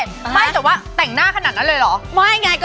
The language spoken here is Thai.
แต่ว่าแต่งหน้าขนาดนั้นเลยหรอ